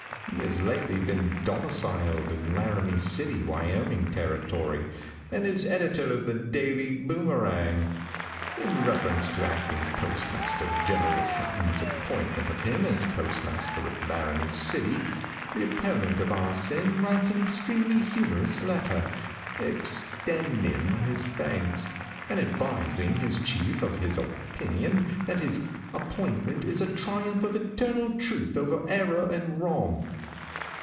He has lately been domiciled in Laramie City, Wyoming territory, and is editor of The Daily Boomerang. In reference to Acting Postmaster Gen. Hatton's appointment of him as postmaster at Laramie City, the opponent of Ah Sin writes an extremely humorous letter, 'extending' his thanks, and advising his chief of his opinion that his 'appointment is a triumph of eternal truth over error and wrong.'